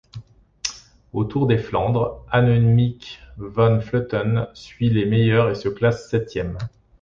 Au Tour des Flandres, Annemiek van Vleuten suit les meilleures et se classe septième.